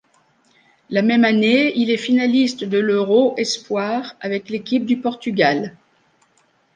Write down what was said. La même année, il est finaliste de l'Euro espoirs avec l'équipe du Portugal.